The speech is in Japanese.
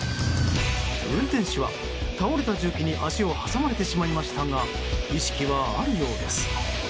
運転手は倒れた重機に足を挟まれてしまいましたが意識はあるようです。